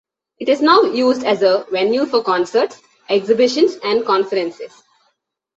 It is now used as a venue for concerts, exhibitions and conferences.